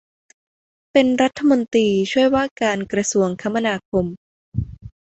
เป็นรัฐมนตรีช่วยว่าการกระทรวงคมนาคม